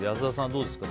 どうですか？